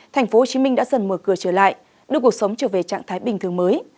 tp hcm đã dần mở cửa trở lại đưa cuộc sống trở về trạng thái bình thường mới